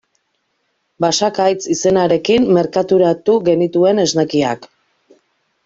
Basakaitz izenarekin merkaturatu genituen esnekiak.